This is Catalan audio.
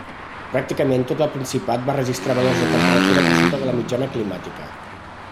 Pràcticament tot el Principat va registrar valors de temperatura per sota de la mitjana climàtica.